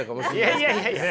いやいやいやいや！